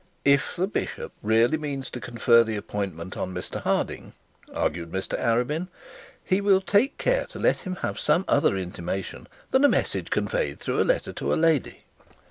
'If the bishop really means to confer the appointment on Mr Harding,' argued Mr Arabin, 'he will take care to let him have some other intimation than a message conveyed through a letter to a lady.